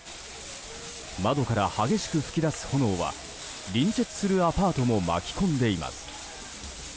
窓から激しく噴き出す炎は隣接するアパートも巻き込んでいます。